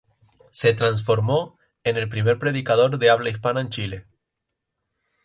Se transformó en el primer predicador de habla hispana en Chile.